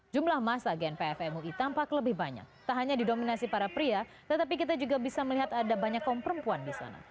jumlah masa gnpf mui tampak lebih banyak tak hanya didominasi para pria tetapi kita juga bisa melihat ada banyak kaum perempuan di sana